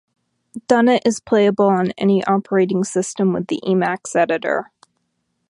Dunnet is playable on any operating system with the Emacs editor.